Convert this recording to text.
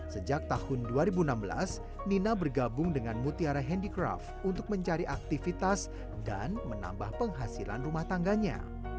sejak tahun dua ribu enam belas nina bergabung dengan mutiara handicraft untuk mencari aktivitas dan menambah penghasilan rumah tangganya